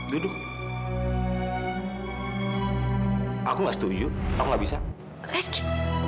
duduk aku setuju aku nggak bisa rezeki